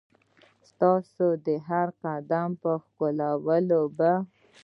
ستا د هرقدم ښکالو به